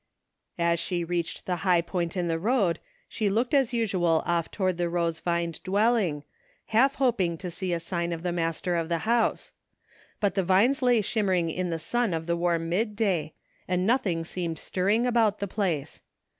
As she reached the high point in the road she looked as usual off toward the rose^vined dwelling, half hop ing to see a sign of the master of the house ; but the vines lay shimmering in the sun of the warm mid day, and nothing seemed stirring about the place.